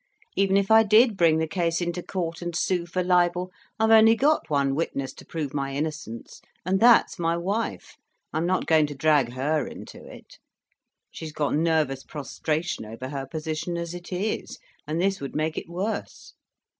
Even if I did bring the case into court and sue for libel, I've only got one witness to prove my innocence, and that's my wife. I'm not going to drag her into it. She's got nervous prostration over her position as it is, and this would make it worse.